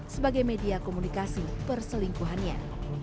sebagai media komunikasi perselingkuhannya